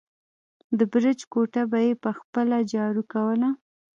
د برج کوټه به يې په خپله جارو کوله.